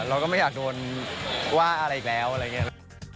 เราก็ไม่อยากโดนว่าอะไรอีกแล้วอะไรอย่างนี้